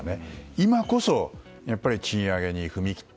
今こそ賃上げに踏み切って